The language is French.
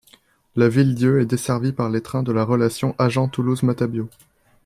La Ville-Dieu est desservie par les trains de la relation Agen - Toulouse-Matabiau.